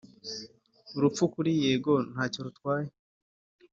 urupfu kuri yego ntacyo rutwaye